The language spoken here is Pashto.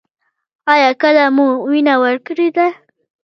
ایا کله مو وینه ورکړې ده؟